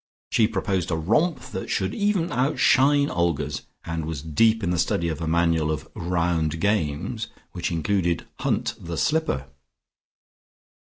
She proposed a romp that should even outshine Olga's, and was deep in the study of a manual of "Round Games," which included "Hunt the Slipper."...